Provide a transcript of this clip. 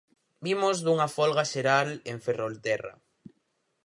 Vimos dunha folga xeral en Ferrolterra.